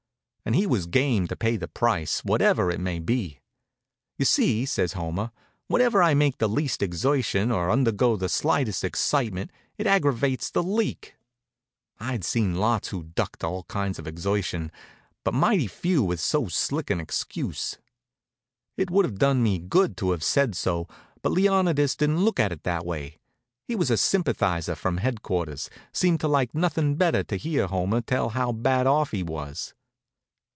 And he was game to pay the price, whatever it might be. "You see," says Homer, "whenever I make the least exertion, or undergo the slightest excitement, it aggravates the leak." I'd seen lots who ducked all kinds of exertion, but mighty few with so slick an excuse. It would have done me good to have said so, but Leonidas didn't look at it in that way. He was a sympathizer from headquarters; seemed to like nothin' better'n to hear Homer tell how bad off he was.